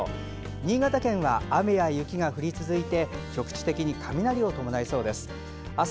新潟県は雪や雨が降り続いて局地的に雷を伴いそうです。